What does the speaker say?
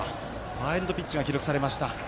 ワイルドピッチが記録されました。